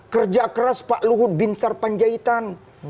kerja keras pak luhut binsar panjaitan